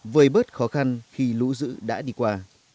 vơi bớt khó khăn khi lũ dữ đã đi qua